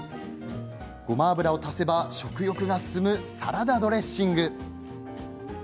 ごま油を足せば食欲が進むサラダドレッシング。